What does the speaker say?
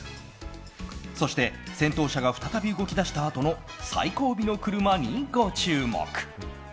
そして、先頭車が再び動き出したあとの最後尾の車にご注目。